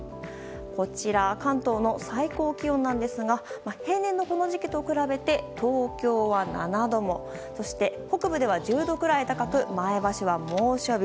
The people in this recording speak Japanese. こちら関東の最高気温なんですが平年のこの時期と比べて東京は７度も北部では１０度くらい高く前橋は猛暑日。